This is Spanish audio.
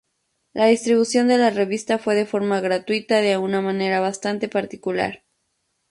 La distribución de la revista fue de forma gratuita de una manera bastante particular.